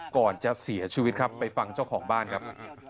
ก่อนจะเสียชีวิตครับไปฟังเจ้าของบ้านครับ